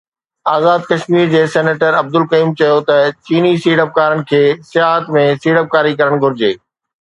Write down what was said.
آزاد ڪشمير جي سينيٽر عبدالقيوم چيو ته چيني سيڙپڪارن کي سياحت ۾ سيڙپڪاري ڪرڻ گهرجي